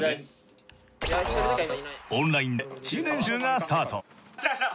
オンラインでチーム練習がスタート。